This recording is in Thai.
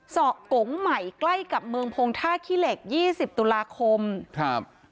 เกาะกงใหม่ใกล้กับเมืองพงท่าขี้เหล็กยี่สิบตุลาคมครับ